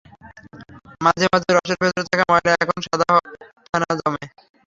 মাঝে মাঝে রসের ভেতরে থাকা ময়লা একত্র হয়ে সাদা ফেনা জমে।